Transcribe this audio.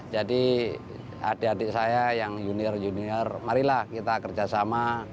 jadi adik adik saya yang junior junior marilah kita kerjasama